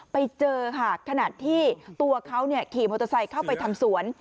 ไปเจอค่ะขณะที่ตัวเขาขี่มอเตอร์ไซค์เข้าไปทำสวน